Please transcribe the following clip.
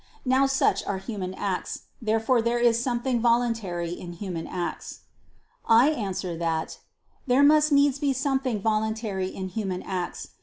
Now such are human acts. Therefore there is something voluntary in human acts. I answer that, There must needs be something voluntary in human acts.